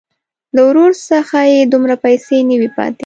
له ورور څخه یې دومره پیسې نه وې پاتې.